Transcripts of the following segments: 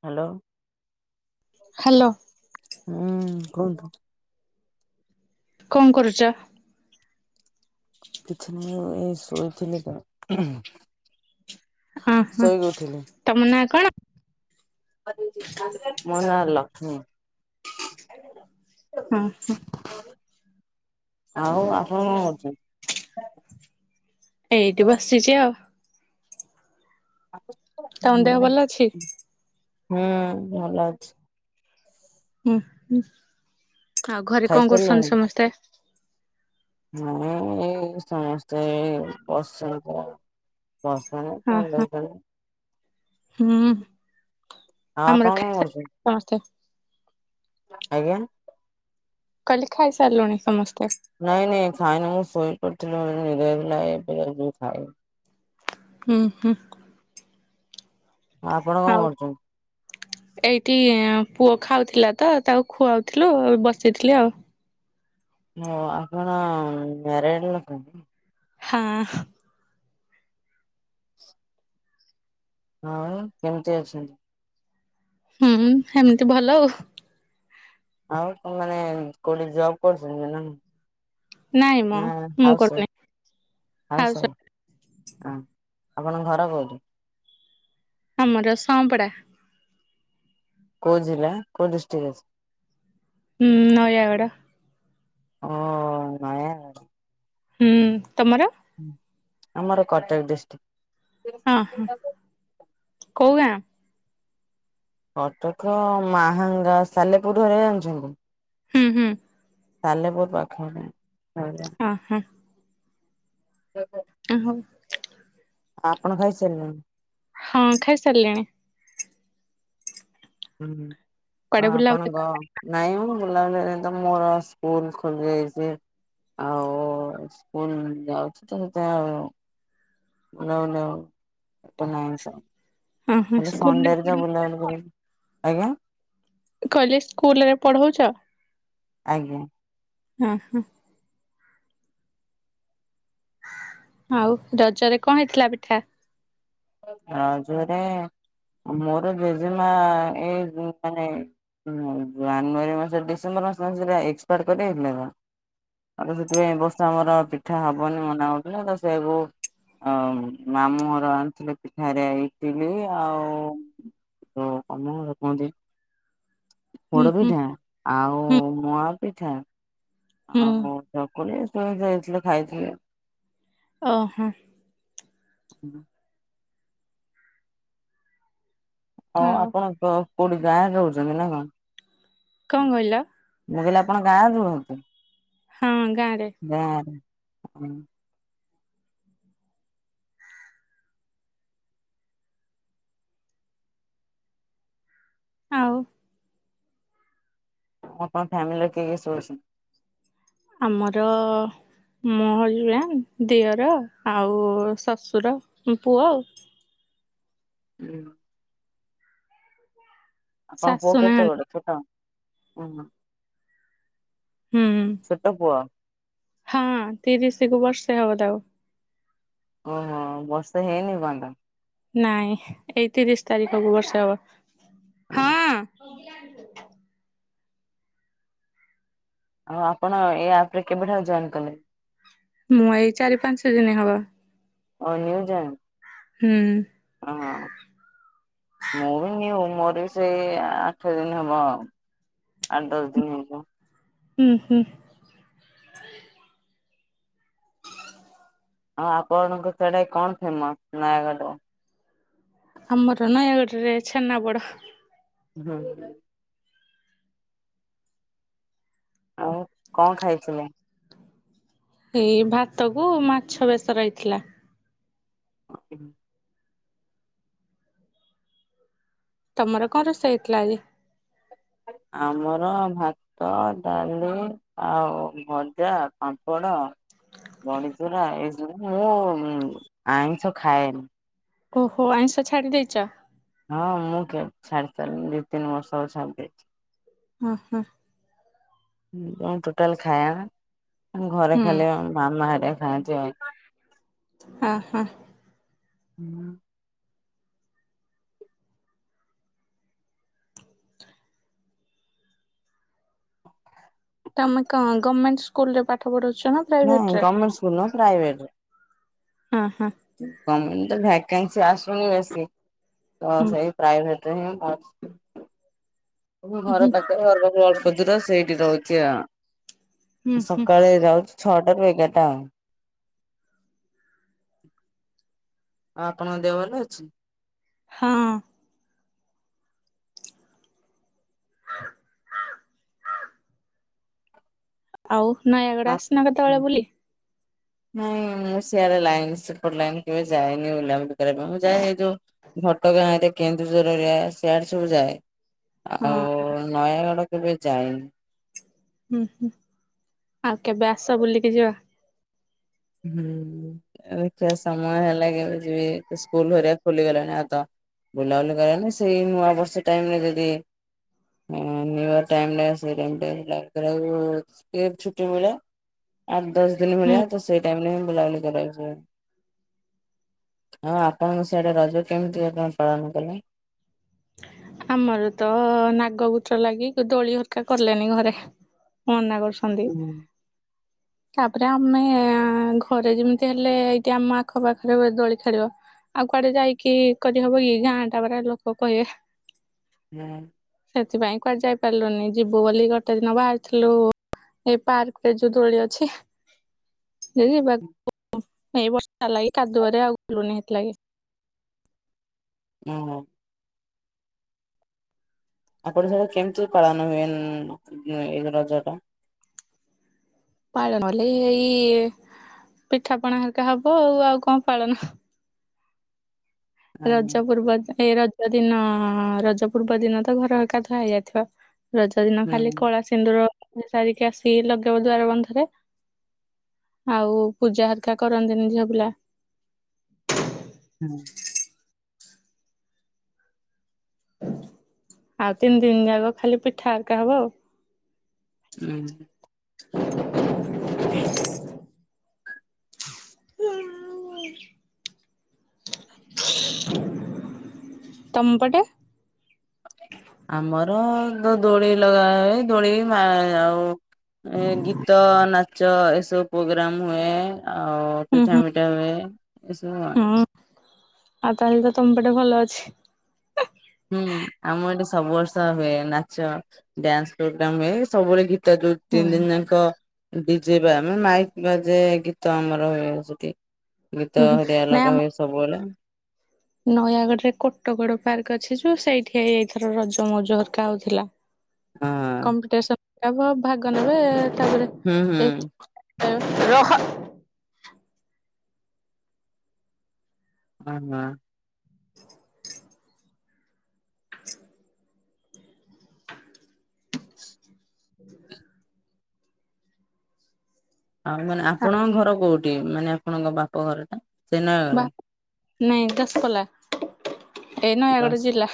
Hello. Hello. ହୁଁ କୁହନ୍ତୁ। କଣ କରୁଛ? କିଛି ନାହିଁ ଏଇ ଶୋଇଥିଲି ତ ଓହୋ ଶୋଇକି ଉଠିଲି ତମ ନାଁ କଣ? ମୋ ନାଁ ଲକ୍ଷ୍ମୀ। ହଁ ହଁ। ଆଉ ଆପଣ କଣ କରୁଛନ୍ତି? ଏଇଠୁ ବସିଛି ଆଉ। ଆ ତମ ଦେହ ଭଲ ଅଛି? ହୁଁ ଭଲ ଅଛି। ହୁଁ ହୁଁ ଆଉ ଘରେ କଣ ଖାଇସାରିଲେଣି? କରୁଛନ୍ତି ସମସ୍ତେ? ହଁ ଏଇ ସମସ୍ତେ ବସଛନ୍ତି ତ। ବଶ୍ ଚନ୍ତି ହଁ ତା ହଁ [unintelligible] ହୁଁ ଆଉ ଆମର ଆପଣ କଣ କରୁଛନ୍ତି? ଖାଇସାରିଲେଣି ସମସ୍ତେ। ଆଜ୍ଞା। କହିଲି ଖାଇସାରିଲୁଣି ସମସ୍ତେ। ନାଇଁ ନାଇଁ ଖାଇନି ମୁଁ ସୋଇ ପଡିଥିଲି ଏଇନା ନିଦ ଭାଙ୍ଗିଲା ଏବେ ଯାଉଛି ମୁ ଖାଇବି। ହୁଁ ହୁଁ। ଆପଣ କଣ ଆଉ କରୁଛନ୍ତି? ଏଇଠି ପୁଅ ଖାଉଥିଲା ତ ତାକୁ ଖୁଆଉଥିଲୁ ବସିଥିଲି ଆଉ। ହ ଆପଣ ମ୍ୟାରେଡ ଲୋକ? ହଁ। ଆଉ କେମତି ଅଛନ୍ତି? ହୁଁ ହେମତି ଭଲ ଆଉ। ଆଉ ତମେମାନେ କୋଉଠି ଜବ୍ କରୁଛନ୍ତି ନା? ନାଇଁ ମ ନା ମୁଁ ହାଉସ୍ କରୁନାଇଁ ହାଉସ ୱାଇଫ। ହ ଆପଣଙ୍କ ଘର କୋଉଠି? ଆମର ସଂପଡା। କୋଉ ଜିଲ୍ଲା କୋଉ ଡିଷ୍ଟିକ ଅଛି। ହୁଁ ନୟାଗଡ। ଓ ନୟା ହୁଁ, ତୋମର ହୁଁ, ଆମର କଟକ ହଁ ହଁ ଡିଷ୍ଟିକ୍। କୋଉ ଗାଁ? କଟକ ମାହାଙ୍ଗା ସାଲେପୁର ହେରା ଜାଣିଛନ୍ତି। ହୁଁ, ହୁଁ। ସାଲେପୁର ପାଖରେ। ଅଁ, ହଁ। [unintelligible] ଅଁ, ହଉ। ଆପଣ ଖାଇସାରିଲେଣି? ହଁ ଖାଇସାରିଲିଣି। ହୁଁ, ଓ କୁଆଡେ ବୁଲାବୁଲି ଆପଣଙ୍କ ନାଇଁ ମୁଁ ବୁଲାବୁଲିରେ ତ ମୋର ସ୍କୁଲ୍ ଖୋଲି ଯାଇଛି। ଆଉ ସ୍କୁଲ୍ ଯାଉଛି ତ ସେଥିପାଇଁ ଆଉ ନଉନି ଆଉ [unintelligible] ଅ ହଁ ଖାଲି ସଣ୍ଡେ ର ଯାହା ସ୍କୁଲରେ ବୁଲାବୁଲି କରୁକି। ଆଜ୍ଞା। କହିଲି ସ୍କୁଲ୍ ରେ ପଢଉଛ? ଆଜ୍ଞା। ହଁ, ହଁ। ଆଉ ରଜରେ କଣ ହେଇଥିଲା ପିଠା? ରଜରେ ମୋର ଜେଜେମା ଏଇ ଗୁଁ, ମାନେ ମୋ ଜାନୁଆାରୀ ମାସରେ ଡିସେମ୍ବର ମାସରେ [inaudible] ଏକ୍ସପାର୍ଟ କରି ହେଇଥିଲେ ତ ତାର ସେଥିପାଇଁ ଏ ବର୍ଷ ଆମର ପିଠା ହବନି ମନା କରୁଥିଲା। ତାପରେ ସେଇଆକୁ ଆଉ ମାମୁଁଘର ଆଣିଥିଲେ। ପିଠା ହେରିଆ ଇଟିଲି ଆଉ ଯୋଉ କଣ ସେଟା କୁହନ୍ତି? ହୁଁ ପୋଡ ହୁଁ ପିଠା, ଆଉ ହୁଁ ମୁଆଁ ପିଠା। ହୁଁ ଆଉ ଚକୁଳି ଏସବୁ ଦେଇଥିଲେ ଖାଇଥିଲେ। ଓ ହଁ। [unintelligible] ନା ହଁ ଆଉ ଆପଣ ତ କୋଉଠି ଗାଁରେ ରହୁଛନ୍ତି ନା କଣ? କଣ କହିଲ? ମୁଁ କହିଲି ଆପଣ ଗାଁ ରେ ରୁହନ୍ତି? ହଁ ଗାଁରେ ଗାଁରେ ହଁ। ଆଉ ଆପଣ ଫ୍ୟାମିଲିରେ କିଏ କିଏ ସବୁ ଅଛନ୍ତି? ଆମର ମୋ ହଜବେଣ୍ଡ୍, ଦିଅର, ଆଉ ଶଶୁର ମୋ ପୁଅ। ହୁଁ। ଆପଣଙ୍କ ପୁଅ ଶାଶୁ କେତେ ନାହାନ୍ତି ବଡ? ଛୋଟ? କହୁନ। ହୁଁ, ହୁଁ, ପୁଅ ହଁ ତିରିଶ କୁ ବର୍ଷେ ହବ ତାକୁ। ଓହୋ! ବର୍ଷେ ହେଇନି ଏପନ୍ତ? ନାଇଁ ଏଇ ତିରିଶ ତାରିଖକୁ ବର୍ଷେ ହବ। ତାକୁ? ହଁ। ଆଉ ଆପଣ ଏ ଆପ୍ ରେ କେବେଠାରୁ ଜଏନ୍ କଲେ? ମୁଁ ଏଇ ଚାରି ପାଞ୍ଚ ଦିନ ହବ। ଓ ନ୍ୟୁ ଜଏନ୍? ହୁଁ। ହଁ। ମୁଁ ବି ନ୍ୟୁ ମୋର ବି ସେଇ ଆଠ ଦିନ ହବ। ଆଠ ଦଶ ଦିନ ହେଇଯିବ। ହୁଁ ହୁଁ। ହଁ ଆପଣଙ୍କ ସେଆଡେ କଣ ଫେମସ୍ ନୟାଗଡ଼ର? ଆମର ନୟାଗଡ଼ ରେ ଛେନାପୋଡ। [inaudible] ଆଉ କଣ ଖାଇଥିଲେ? ଏଇ ଭାତ କୁ ମାଛ ବେସର ହେଇଥିଲା। [unintelligible] ତମର କଣ ରୋଷେଇ ହେଇଥିଲା ଆଜି? ଆମର ଭାତ ଡାଲି ଆଉ ଭଜା ପାମ୍ପଡ଼ ବଡିଚୁରା ଏସବୁ ମୁଁ ଆଇଁଷ ଖାଏନି। ଓହୋ ଆଇଁଷ ଛାଡ଼ି ଦେଇଚ। ହଁ ମୁଁ କେ ଛାଡି ସାରିଲି ଦି ତିନି ବର୍ଷ ଛାଡି ଦେଇଚି। ହ ହଁ। ଟୋଟାଲ ଖାଇଆ ଆଁ ଘରେ ହୁଁ ଖାଇଲେ ଆମେ ମାମା ଘରେ ଖାଆନ୍ତି ଆଉ। ହଁ ହ। ହୁଁ। ତମେ କଣ ଗମେଣ୍ଟ ସ୍କୁଲ ରେ ପାଠ ପଢଉଚ? ନାଇଁ ଗମେଣ୍ଟ ସ୍କୁଲ ନୁହେଁ ପ୍ରାଇଭେଟରେ। ହଁ ହଁ ଗମେଣ୍ଟ ତ ଭ୍ୟାକେନ୍ସି ଆସୁନି ବେଶୀ ତ ହୁଁ ସେଇ ପ୍ରାଇଭେଟ ଏତେ ହିଁ [unintelligible] ତ ହୁଁ ଘର ହୁଁ। ପାଖରେ [unintelligible] ଅଳ୍ପ ଦୂର ସେଇଠି ରହୁଚି ଆଉ। ହୁଁ। ସକାଳେ ଯାଉଛି ଛଟା ରୁ ଏଗାର ଟା ଆଙ୍ଗ ଆଉ ଆପଣଙ୍କ ଦେହ ଭଲ ଅଛି ହଁ। ଆଉ ନୟାଗଡ ଆସିନ ମା କେତେବେଳେ ବୁଲି? ନାଇଁ ମୁଁ ଶିଆଳେ ଲାଇନ ସେପଟ ଲାଇନ କେବେ ଯାଇଏନି ବୁଲା ବୁଲି ମୁଁ ଯାଏ ଏଇ ଯୋଉ ଘଟଗାଁ ଏରେ କେନ୍ଦୁଝର ଏରିଆ ସେଆଡେ ସବୁ ଯାଏ। ହଁ ଆଉ ନୟାଗଡ କେବେ ଯାଇନି। ହୁଁ ହୁଁ ଆଉ କେବେ ଆସ ବୁଲିକି ଯିବା। ହୁଁ ଦେଖିବା ସମୟ ହେଲା ଯିବି ସ୍କୁଲ ହେରିକା ଖୋଲିଗଲାଣି ଆତ। ବୁଲାବୁଲି କାରଣ ସେଇ ମୁଁ ନୂଆ ବର୍ଷ ଟାଇମରେ ଯଦି ଉଁ ନିୟୁୟର ଟାଇମ [unintelligible] ଛୁଟି ମିଳେ। ଆଟ୍ ଦଶ ଦିନି ଭଳିଆ ହୁଁ ତ ସେଇ ଟାଇମରେ ହିଁ ବୁଲାବୁଲି କରିବା କୁ ସବୁ। ହଁ ଆପଣଙ୍କ ସେଆଡେ ରଜ କେମିତି ଆପଣ ପାଳନ କଲେ? ଆମର ତ ନାଗ ଗୁଚ ଲାଗି ଦୋଳି ହରକା କଲେନି ଘରେ ମନାକର ଛନ୍ତି। ହୁଁ। ତାପରେ ଆମେ ଘରେ ଯେମିତି ହେଲେ ଏଇ ଆମ ଆଖ ପାଖରେ ଦୋଳି ଖେଳିବ। ଆଉ କୁଆଡେ ଯାଇକି କରିହବ ଇଏ ଗାଁ ଟା ପରା ଲୋକ କହିବେ। ହଁ। ସେଥିପାଇଁ କୁଆଡେ ଯାଇ ପାରିଲୁନି ଯିବୁ ବୋଲି ଗୋଟେ ଦିନ ବାହାରିଥିଲୁ ଏଇ ପାର୍କ ରେ ଯୋଉ ଦୋଳି ଅଛି। ଯେ ଯିବାକୁ ହେଇ ବର୍ଷା ଲାଗି କାଦୁଅରେ ଆଉଲୁନ ହେଥିଲାଗ। ଉଁ ହଁ। ଆପଣ ସେଟା କେମିତି ପାଳନ ହୁଏ ଉଁ ଏ ରଜଟା? ପାଳନ ଓଲି ଏଇ ପିଠା ପଣା ହେରିକା ହବ ଆଉ ଆଉ କଣ ପାଳନ ରଜ ହୁଁ ପୂର୍ବ ଜ ଏଇ ରଜ ଦିନ ରଜ ପୂର୍ବ ଦିନ ତ ଘର ଏକାଧୁଆ ହେଇଯାଇଥିବ। ରଜ ଦିନ ଖାଲି କଳା ସିନ୍ଦୁର ସାରିକି ଆସିିକି ଲଗେଇବ ଦ୍ୱାର ବନ୍ଧରେ। ଆଉ ପୂଜା ହେରିକା କରନ୍ତିନି ଝିଅ ପିଲା। ହୁଁ। ଆଉ ତିନି ଦିନ ଯାକ ଖାଲି ପିଠା ହରିକା ହବ ଆଉ। ହୁଁ। [unintelligible] ହୁଁ। ତମପଟେ। ଆମର ଯୋଉ ଦୋଳି ଲଗା ହୁଏ ଦୋଳି ମା ଆଉ। ଏ ଗୀତ ନାଚ ଏସବୁ ପ୍ରୋଗ୍ରାମ ହୁଏ। ଆଉ ହୁଁ ପିଠା ହୁଁ ମିିଠା ହୁଏ ଏସବୁ ଆଉ। ହଁ ଆଉ ତାହେଲେ ତ ତମ ପଟେ ଭଲ ଅଛି। ହୁଁ ଆମ ଏଠି ସବୁ ବର୍ଷ ହୁଏ ନାଚ ଡ୍ୟାନ୍ସ ପ୍ରୋଗ୍ରାମ ହୁଏ ସବୁବେଳେ ଗୀ ତ ଯୋଉ ହୁଁ ତିନି ଦିନ ଯାଙ୍କ ଡିଜେ ବା ମାନେ ମାଇକ ବାଜେ ଗୀତ ଆମର ହୁଏ ସେଠି। ହୁଁ ଗୀତ ହୁଁ ସେଠି ନାଇଁ ଅଲଗା ଆମ ହୁଏ ସବୁବେଳେ। ନୟାଗଡରେ କୋଟଗଡ ପାର୍କ ଅଛି ଯୋଉ ସେଇଠି ଏଇ ଏଇଥର ରଜ ମଉଜ ହରିକା ହଉଥିଲା। ହଁ। ଆପଣ ଭାଗ ନେବେ ତାପରେ ହୁଁ ହୁଁ। ଏଇ [unintelligible] ରହ। ହଁ ହଁ। [unintelligible] ଆଉ ମାନେ ଆପଣଙ୍କ ଘର କୋଉଠି ମାନେ ଆପଣଙ୍କ ବାପ ଘର ଟା ସେ ବା ନୟାଗଡ। ନାଇଁ ଦଶପଲା ଏ ନୟାଗଡ଼ ଜିଲ୍ଲା।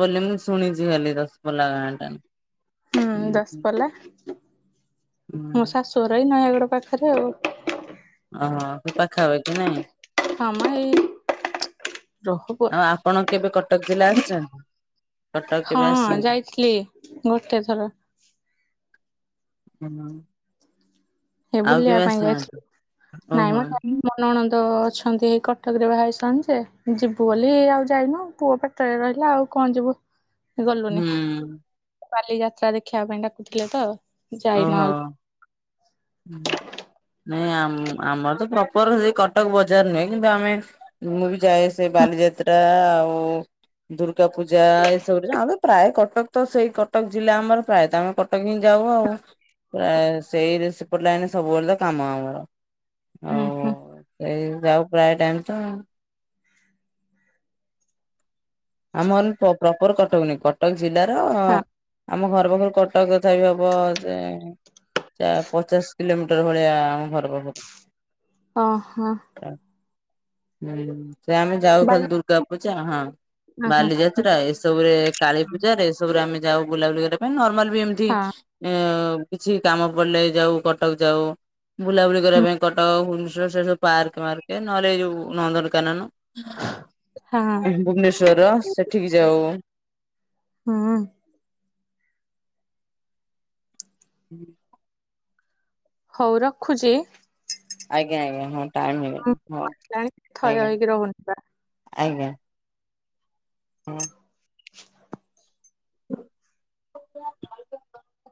ବୋଲି ମୁଁ ଶୁଣିଛି ଖାଲି ଦଶପଲା ଗାଁ ଟା। ହୁଁ ଦଶପଲା। ହୁଁ ମୋ ଶାଶୁ ଘର ଏହି ନୟାଗଡ ପାଖରେ ଆଉ। ଓହୋ ସେ ପାଖା ପାଖି ନାଇଁ। ହଁ ମ ଏଇ। ରହ ପୁଅ ଆଉ ଆପଣ କେବେ କଟକ ଜିଲ୍ଲା ଆସିଛନ୍ତି। କଟକ କେବେ ହଁ ଆସିଛନ୍ତି? ଯାଇଥିଲି ଗୋଟେ ଥର। ଓହୋ। ହେ ଆଉ ବୁଲିବା କେବେ ପାଇଁ ଆସିନାହାନ୍ତି ଯାଇଥିଲୁ ନାଇଁ ଓହୋ ମ ମୋ ନଣନ୍ଦ। ଦ ଅଛନ୍ତି ହେଇ କଟକରେ ବାହା ହେଇଛନ୍ତି ଯେ ଯିବୁ ବୋଲି ଆଉ ଯାଇନୁ ପୁଅ ପେଟରେ ରହିଲା ଆଉ। କଣ ଯିବୁ। ହୁଁ। ବାଲି ଯାତ୍ରା ଦେଖିବା ପାଇଁ ଡାକୁଥିଲେ ତ ଯାଇନୁ ଆଉ। ହୁଁ। ନାଇଁ ଆମ ଆମର ତ ପ୍ରପର ସେ କଟକ ବଜାର ନୁହେଁ କିନ୍ତୁ ଆମେ ମୁଁ ଯାଏ ସେ ବାଲିଯାତ୍ରା ଆଉ। ଦୁର୍ଗା ପୂଜା ଏସବୁରେ ଆମେ ପ୍ରାୟ କଟକ ତ ସେଇ କଟକ ଜିଲ୍ଲା ଆମର ପ୍ରାୟତ ଆମେ କଟକ ହଁ ଯାଉ ଆଉ ଏ ସେଇରେ ଖୋଲା ଏଇନେ ସବୁବେଳେ ତ କାମ ଆମର ହୁଁ ହୁଁ ଆଉ ଏଇ। ଯାଉ ପ୍ରାୟ ଟାଇମ ତ। ଆମର ପ-ପ୍ରପର କଟକ ନାଇ କଟକ ଜିଲ୍ଲାର। ହଁ ଆମ ଘର ପାଖରୁ କଟକ ତଥାପି ବି ହବ ଯେ। ପଚା ପଚାଶ କିଲୋମିଟର ଭଳିଆ ଆମ ଘର ପାଖରୁ। ଓ ହୋ। ହୁଁ ସେ ଆମେ ଯାଉ ବାଲି ଖାଲି ଦୁର୍ଗା ପୂଜା ହଁ। ହଁ ହଁ ବାଲିଯାତ୍ରା ଏସବୁରେ କାଳୀ ପୂଜାରେ ଏସବୁରେ ଆମେ ଯାଉ ବୁଲାବୁଲି କରିବା ପାଇଁ ନର୍ମାଲ ବି ଏମିତି ଏଁ କିଛି କାମ ପଡିଲେ ଯାଉ କଟକ ଯାଉ। ବୁଲାବୁଲି କରିବା ହଁ ପାଇଁ କଟକ ଭୁବନେଶ୍ଵର ସେ ସବୁ ପାର୍କ ମାର୍କ ନହେଲେ ଏ ଯୋଉ ନନ୍ଦନକାନନ ହଁ ହଁ ଭୁବନେଶ୍ ଶ୍ଵର ସେଠିକ ଯାଉ। ହୁଁ ହୁଁ। ହଉ ରଖୁଚି। ଆଜ୍ଞା ଆଜ୍ଞା ହଁ ଟାଇମ ହେଇଗଲାଣି ହଁ ଜାଣି ଥୟ ଆଜ୍ଞା। ହେଇକି ରହୁନି ଆଜ୍ଞା। ହଁ। [inaudible]